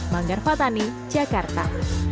manggar fatani jakarta